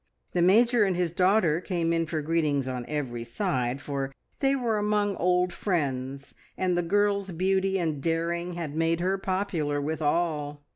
The Major and his daughter came in for greetings on every side, for they were among old friends, and the girl's beauty and daring had made her popular with all.